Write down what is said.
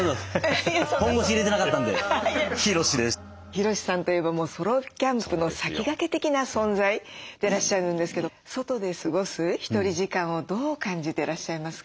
ヒロシさんといえばソロキャンプの先駆け的な存在でいらっしゃるんですけど外で過ごすひとり時間をどう感じてらっしゃいますか？